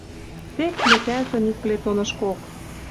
Тек плетӓлтӹн ик плетонышкок.